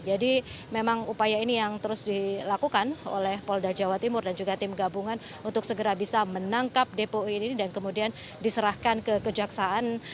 jadi memang upaya ini yang terus dilakukan oleh polda jawa timur dan juga tim gabungan untuk segera bisa menangkap dpu ini dan kemudian diserahkan ke kejaksaan